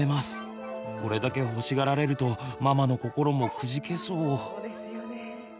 これだけ欲しがられるとママの心もくじけそう。